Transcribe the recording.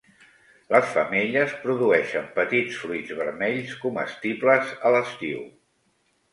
Les femelles produeixen petits fruits vermells comestibles a l'estiu.